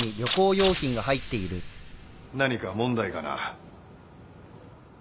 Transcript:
何か問題かな？